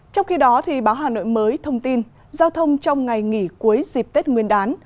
trong khi đó báo hà nội mới thông tin giao thông trong ngày nghỉ cuối dịp tết nguyên đán